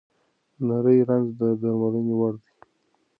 نري رنځ د درملنې وړ دی.